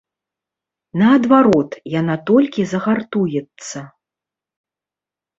Наадварот, яна толькі загартуецца.